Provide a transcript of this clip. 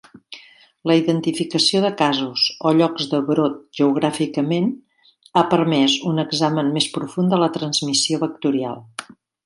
La identificació de casos o llocs de brot geogràficament ha permès un examen més profund de la transmissió vectorial.